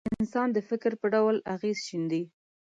چې د انسان د فکر په ډول اغېز شیندي.